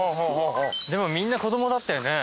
でもみんな子供だったよね？